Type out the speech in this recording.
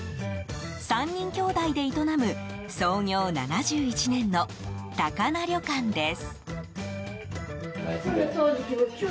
３人きょうだいで営む創業７１年の高那旅館です。